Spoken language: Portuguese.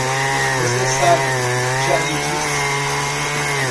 Você sabe; já lhe disse.